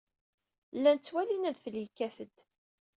Llan ttwalin adfel yekkat-d.